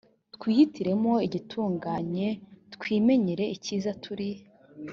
twihitiremo igitunganye twimenyere icyiza turi